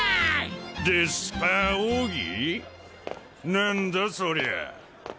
何だそりゃ？